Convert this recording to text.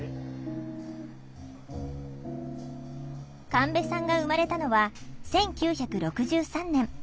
神戸さんが生まれたのは１９６３年。